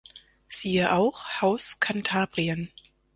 Siehe auch: Haus Kantabrien